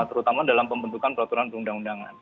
terutama dalam pembentukan peraturan perundang undangan